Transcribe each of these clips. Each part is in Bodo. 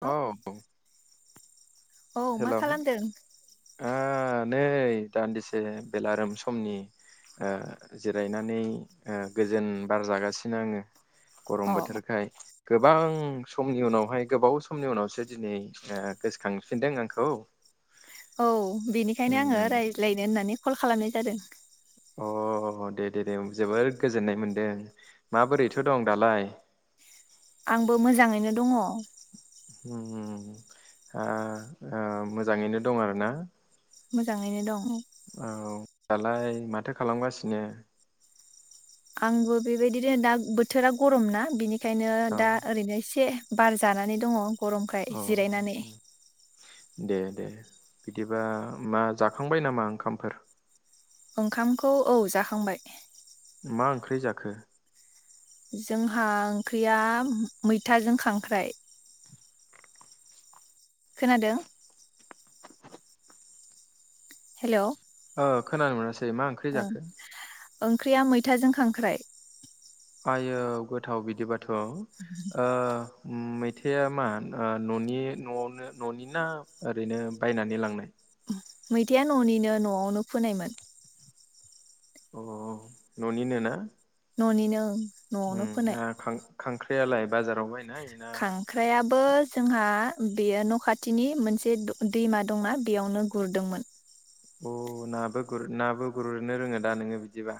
औ। औ मा खालामदों? आ नै दान्दिसे बेलारोम समनि आ जिरायनानै आ गोजोन बार जागासिनो आङो अ गरम बोथोरखाय गोबां समनि उनावहाय गोबाव समनि उनावसो दिनै गोसोखां- फिनदों आंखौ औ बेनिखायनो आङो रायज्लायनो होननानै कल खालामनाय जादों। अ दे दे दे जोबोद गोजोननाय मोनदों माबोरैथ' दं दालाय, आंबो मोजाङैनो दङ उम आ आ मोजाङैनो दं आरो ना मोजाङैनो दं। दालाय माथो खालामगासिनो आंबो बेबायदिनो दा बोथोरा गरम ना बिनि- खायनो दा औ ओरैनो एसे बार जानानै दङ गरमखाय जिरायनानै औ दे दे बिदिबा मा जाखांबाय नामा ओंखामफोर ओंखामखौ औ जाखांबाय मा ओंख्रि जाखो? जोंहा ओंख्रिया मैथाजों खांख्राइ, खोनादों हेलौ औ खोनादोंना मा ओंख्रि ओं जाखो? ओंख्रिया मैथाजों खांख्राय। आयौ गोथाव बिदिबा थ' ओ मैथाया मा ओ ननि नआवनो ननि ना ओरैनो बायनानै लांनाय। मैथाया न' निनो न'आवनो फोनायमोन। अ न'निनो ना। न' निनो ओं। उम न'आवनो फोनाय आ खां खांख्रायालाय बाजाराव बायनाय? ना खांख्रायाबो जोंहा बेयो न' खाथिनि मोनसे द दैमा दंना बेयावनो गुरदोंमोन। अ नाबो नाबो गुरनो रोङो दा नोङो बिदिबा?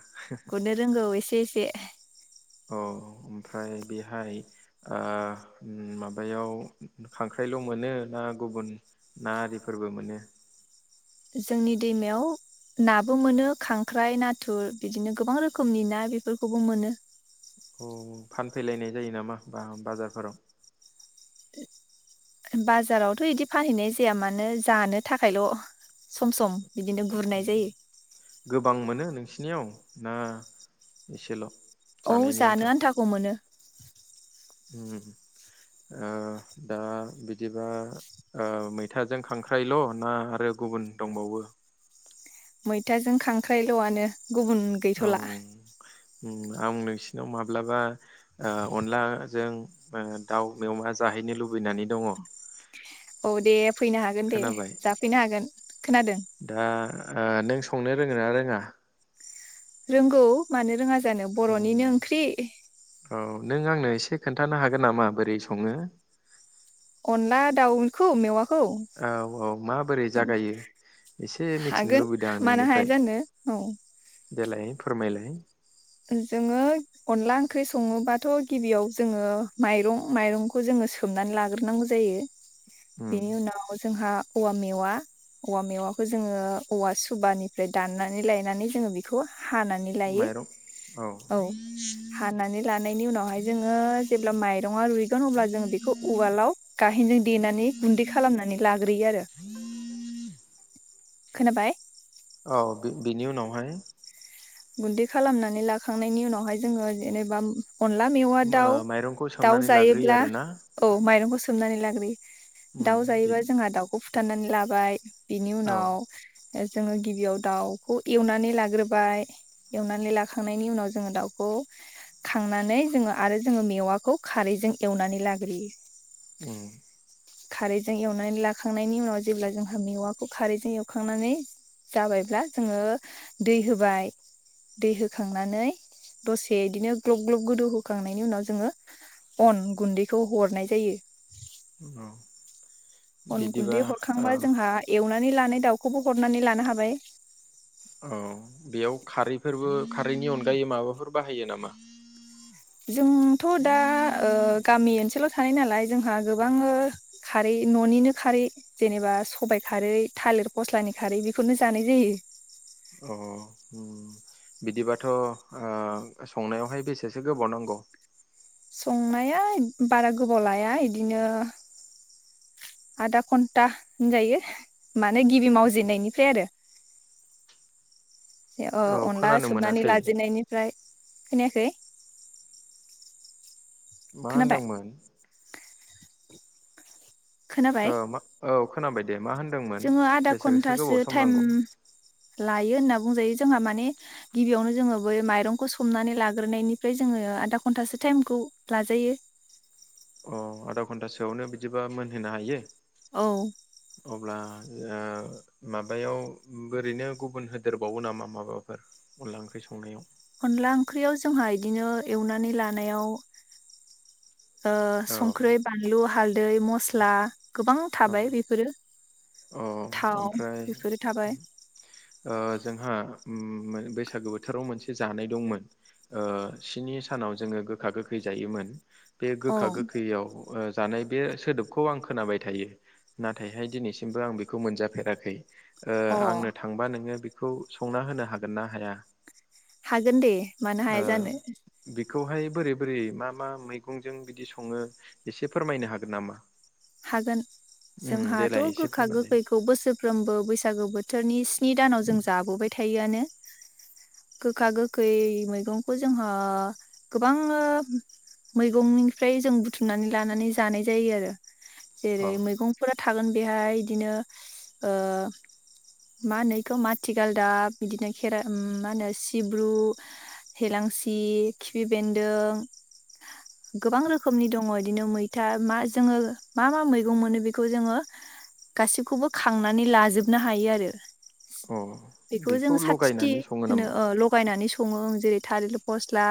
गुरनो रोंगौ एसे बेसे? अ ओमफ्राय बेहाय ओ माबायाव खांख्राइल मोनो ना गुबुन ना आरिफोरबो मोनो। जोंनि दैमायाव नाबो मोनो खांख्राइ नाथुर बिदिनो गोबां रोखोमनि ना बेफोरखौबो मोनो। औ फानफैलायनाय जायो नामा बा बाजारफोराव? बाजारावथ' इदि फानहैनाय जाया मानो जानो थाखायल' सम सम। बिदिनो गुरनाय जायो। सिनियाव ना एसेल। औ जानायनि आन्था जानो आन्थाखौ मोनो। उम ओ दा बिदिबा ओ मैथाजों खांख्राइल ना आरो गुबुन दंबावो? मैथाजों खांख्राइल आनो। गुबुन गैथ औ ला। उम आं नोंसिनाव माब्लाबा ओ अनलाजों ओ दाउ मेवा जाहैनो लुबैनानै दङ। औ दे फैनो हागोन दे खोनाबाय जाफैनो हागोन। खोनादों दा ओ नों सौ संनो रोङो ना रोङा? रोंगौ मानो रोङा जानो बर निनो ओंख्रि औ नों आंनो एसे खोन्थानो हागोन नामा बोरै सङो? अनला दाउखौ मेवा औ औ माबोरै जागायो एसे मिथिनो हागोन लुबैदों आं मानो हाया नोंनिफ्राय। जानो औ देलाय फोरमायलाय। जोङो अनला ओंख्रि सङोबाथ गिबियाव जोङो माइरं माइरंखौ जोङो सोमनानै लाग्रोनांगौ जायो। उम बेनि उनाव जोंहा औवा मेवा औवा मेवाखौ जोङो औवा सुबानिफ्राय दाननानै लायनानै जोङो बेखौ हानानै लायो। माइरं औ हानानै लानायनि उनावहाय जोङो जेब्ला माइरङा रुइगोन अब्ला जों बेखौ उवालाव गाहेनजों देनानै गुन्दै खालामनानै लाग्रोयो आरो। खोनाबाय। औ बे बेनि उनावहाय गुन्दै खालामनानै लाखांनायनि उनावहाय जोङो जेनेबा अनला मेवा ओ माइरंखौ दाउ-दाउ सोमनानै लाग्रोयो जायोब्ला आरोना औ माइरंखौ सो सोमनानै लाग्रोयो। उम दाउ बि जायोबा जोंहा दाउखौ फु बुथानानै लाबाय बिनि औ उनाव ओ जोङो गिबियाव दाउखौ एवनानै लाग्रोबाय एवनानै लाखांनायनि उनाव जोङो दाउखौ खांनानै जोङो आरो जोङो मेवाखौ खारैजों एवनानै लाग्रोयो उम। खारैजों एवनानै लाखांनायनि उनाव जेब्ला जोंहा मेवाखौ खारैजों एवखांनानै जाबायब्ला जोङो दै होबाय दै होखांनानै दसे बिदिनो ग्लब ग्लब गोदौ होखांनायनि उनाव जोङो अन गुन्दैखौ हरनाय जायो। औ अन बिदिबा गुन्दै औ हरखांबा जोंहा एवना बि लानाय दाउखौबो हरनानै लानो हाबाय। औ बेयाव खारैफोरबो खारैनि अनगायै माबाफोर बाहायो नामा? जोंथ दा ओ गामि ओनसोलाव थानाय नालाय जोंहा गोबाङो खारै ननिनो खारै जेनेबा सबाय खारै थालिर फस्लानि खारै बेफोरनो जानाय जायो। अ ओम बिदिबाथ ओ संनायावहाय बेसेसो गोबाव नांगौ? संनाया बारा गोबाव लाया इदिनो आदा घन्टा होनजायो मानो गिबि मावजेननायनिफ्राय आरो। ए अ औ अनला खोनानो सोमनानै मोनासै लाजेननायनिफ्राय खोनायाखै मा खोनाबाय? होनदोंमोन? खोनाबाय ओ मा औ खोनाबाय दे मा होनदोंमोन जोङो आधा बेसेसो गोबाव घन्टासो सम टाइम नांगौ लायो होनना बुंजायो, जोंहा माने गिबियावनो जोङो बै माइरंखौ सोमनानै लाग्रोनायनिफ्राय जोङो आधा घन्टासो टाइमखौ लाजायो। अ आधा घन्टासोआवनो बिदिबा मोनहोनो हायो? औ। अब्ला ओ माबायाव ओरैनो गुबुन होदेरबावो नामा माबाफोर अनला ओंख्रि संनायाव? अनला ओंख्रियाव जोंहा इदिनो एवनानै लानायाव ओ औ संख्रै बानलु हाल दै मस्ला गोबां औ थाबाय बेफोरो अ थाव ओमफ्राय बेफोरो थाबाय। ओ जोंहा उम मोन बैसागो बोथोराव मोनसे जानाय दंमोन ओ स्नि सानाव जोङो गोखा गोखै जायोमोन। बे औ गोखा गोखैयाव ओ जानाय बे सोदोबखौ आं खोनाबाय थायो नाथायहाय दिनैसिम बिखौ मोनजाफेराखै ओ अ आंनो थांबा नोङो। बेखौ संना होनो हागोन ना हाया हागोन दे मानो ओ हाया जानो। बेखौहाय बोरै-बोरै मा-मा मैगंजों बिदि सङो एसे फोरमायनो हागोन नामा हागोन उम जोंहाथ' देलाय गोखा एसे गोखा फोरमायलाय गोखैखौ बोसोरफ्रोमबो बैसागो बोथोरनि स्नि दानाव जों जाबोबाय थायोआनो गोखा गोखै मैगंखौ जोंहा गोबां मैगंनिफ्राय जों बुथुमनानै लानानै जानाय जायो आरो। अ जेरै मैगंफोरा। थागोन बेहाय इदिनो ओ मा होनो इखो माथिगालदाब इदिनो खेरा मा होनो सिब्रु, हेलांसि खिफि बेन्दों गोबां रोखोमनि दङ' बिदिनो मैथा मा जोङो मा-मा मैगं मोनो बेखौ जोङो गासैखौबो खांनानै लाजोबनो हायो आरो। अ बेखौ जोङो साथिथि लगायनानै सङो होनो नामा ओ लगायनानै सङो जेरै थालिर फस्ला।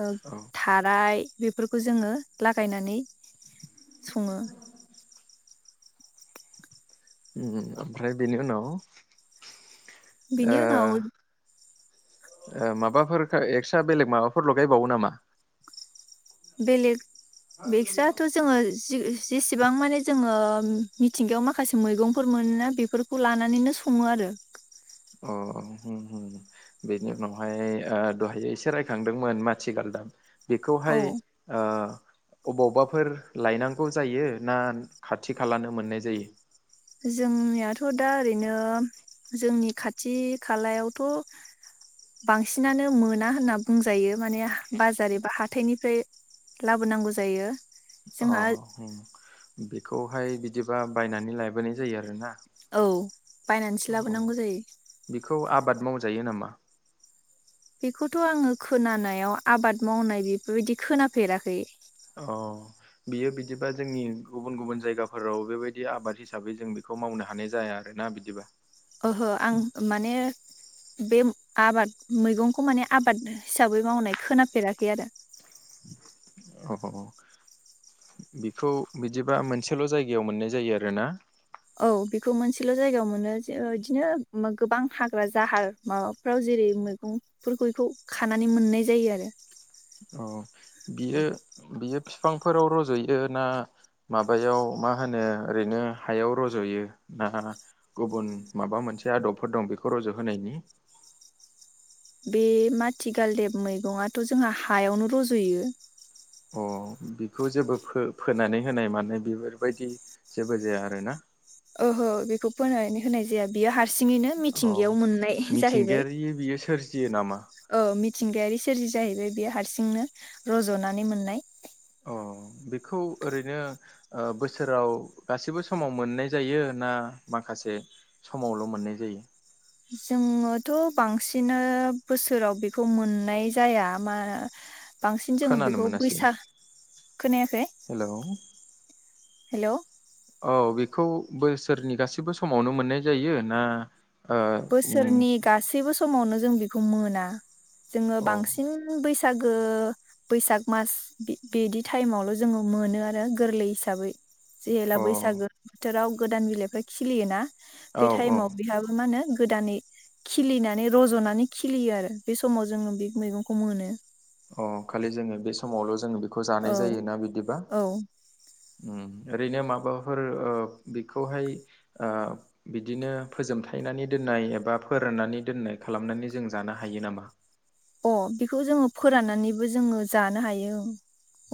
ओ औ थाराय बेफोरखौ जोङो लागायनानै। सङो ओमफ्राय बेनि उनाव। ओ बिनि उनाव ओ माबाफोर एक्सट्रा बेलेग माबाफोर लगायबावो नामा बेलेग एक्स्राथ' जोङो जि जेसेबां माने जोङो मिथिंगायाव माखासे मैगंफोर मोनोना बेफोरखौ लानानैनो सङो आरो अ बेनि उनावहाय दहाय एसे रायखांदोंमोन माथि गालदाब औ बेखौहाय ओ अबावबाफोर लायनांगौ जायो ना खाथि खालानो मोननाय जायो जोंनियाथ' दा ओरैनो जोंनि खाथि खालायावथ' बांसिनानो मोना होनना बुंजायो माने बाजार एबा हाथाइनिफ्राय लाबोनांगौ जायो अ जोंहा ओम। बेखौहाय बिदिबा बायनानै लाबोनाय जायो आरोना औ बायनानैसो अ लाबोनांगौ जायो बेखौ आबाद मावजायो नामा। बेखौथ' आङो खोनानायाव आबाद मावनाय बेफोरबायदि खोनाफेराखै अ। बियो बिदिबा जोंनि गुबुन-गुबुन जायगाफोराव बेबायदि आबाद हिसाबै जों बेखौ मावनो हानाय जाया आरोना बिदिबा ओहो आं माने बे आबाद मैगंखौ माने आबाद हिसाबै मावनाय खोनाफेराखै आरो अ बेखौ बिदिबा मोनसेल' जायगायाव मोननाय जायो आरोना। औ बेखौ मोनसेल' जायगायाव मोनोइदिनो गोबां हाग्रा जाहार माबाफ्राव जेरै मैगंफोरखौ बैखौ खानानै मोननाय जायो आरो। औ बियो बियो फिफांफोराव रज'यो ना माबायाव मा होनो ओरैनो हायाव रज'यो ना गुबुन माबा मोनसे आदबफोर दं बेखौ रज'होनायनि? बे माथिगालदेब मैगङाथ' जोंहा हायावनो रज'यो बिखौ जेबो फो-फोनानै होनाय मानाय बेफोरबायदि जेबो जाया आरोना ओहो बेखौ फोनानै होनाय जाया बियो हार सिङैनो अ मिथिंगायाव मोननाय जाहैबाय फियो नामा? औ मिथिंगायारि सोरजि जाहैबाय बेयो हारसिंनो रज'नानै मोननाय अ बि खौ ओरैनो ओ बोसोराव गासैबो समाव मोननाय जायो ना माखासे समावल' मोननाय जायो? जोङोथ' बांसिनो बोसोराव बेखौ मोननाय जाया मा बांसिन जोङो बेखौ बैसा हेल' हेल' औ बेखौ बोसोरनि गासैबो समावनो मोननाय जायो ना? ओ उम बोसोरनि गासैबो समावनो जों बेखौ मोना। जोङो अ बांसिन बैस सागो बैसाग मास बि-बिदि टाइमावल' जोङो मोनो आरो गोरलै हिसाबै जेला बैसागो अ बोथोराव गोदान बिलाइफ्रा खिलियो ना। औ बे औ टाइमाव बेहाबो मा होनो गोदानै खिलिनानै रज'नानै खिलियो आरो बे समाव जोङो बे मैगंखौ मोनो। अ खालि जोङो बे समावल' जोङो बे खो जानाय औ जायोना बिदिबा औ ओम। ओरैनो माबाफोर ओ बेखौहाय ओ बिदिनो फोजोबथायनानै दोननाय एबा फोराननानै दोननाय खालामनानै जों जानो हायो नामा? अ बेखौ जोङो फोराननानैबो जोङो जानो हायो ओं।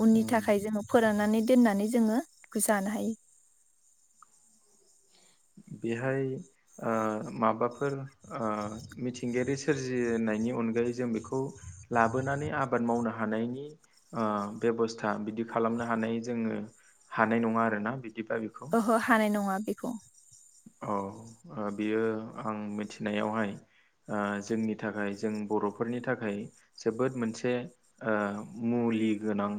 उननि उम थाखाय जोङो फोराननानै दोननानै जोङो बेखौ जानो हायो बेहाय ओ माबाफोर ओ मिथिंगायारि सोरजिनायनि अनगायै जों बेखौ लाबोनानै आबाद मावनो हानायनि ओ बेबस्था बिदि खालामनो हानाय जोङो हानाय नङा आरोना बिदिबा बेखौ ओहो हानाय नङा बे [inaudible] औ बियो आं मिथिनायावहाय ओ जोंनि थाखाय जों बर'फोरनि थाखाय जोबोद मोनसे ओ मुलि गोनां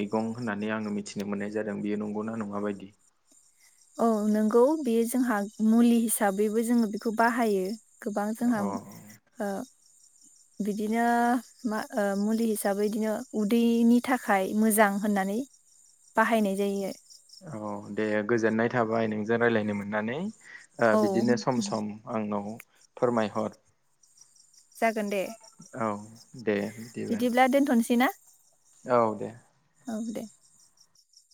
मैगं होन्नानै आं मिथिनो मोन्नाय जादों बेयो नंगौना नंआ बायदि? औ नंगौ बेयो जोंहा मुलि हिसाबैबो जोङो बेखौ बाहायो। गोबां जोंहा अ ओ बिदिनो मा ओ मुलि हिसाबै बिदिनो उदैनि थाखाय मोजां होननानै बाहायनाय जायो औ दे गोजोननाय थाबाय नोंजों रायज्लायनो मोननानै ओ औ बिदिनो सम सम आंनाव। फोरमायहर। जागोनदे। औ दे। बिदिबा बिदिब्ला दोनथनोसै ना। औ दे। औ दे।